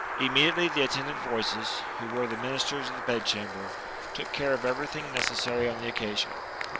Immediately the attendant voices, who were • the ministers of the bedchamber, took care of everything neces sary on the occasion.